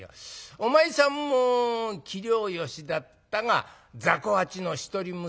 お前さんも器量よしだったがざこ八の一人娘のお絹さん。